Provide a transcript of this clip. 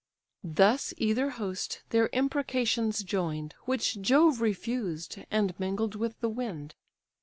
Thus either host their imprecations join'd, Which Jove refused, and mingled with the wind.